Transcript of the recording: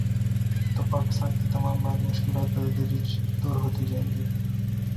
تو پاکستان کی تمام مالی مشکلات بتدریج دور ہوتی جائیں گی۔